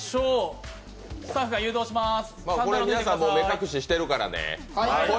皆さん目隠ししてますからね。